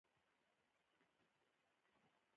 چې په حق ئې نو ځواکمن یې، دریځمن یې، عزتمن یې